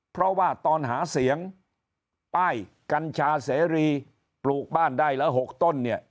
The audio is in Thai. เพราะว่าตอนหาเสียงป้ายกัญชาเสรีปลูกบ้านได้ละ๖ต้นเนี่ย